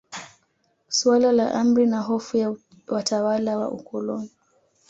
Suala la umri na hofu ya watawala wa ukoloni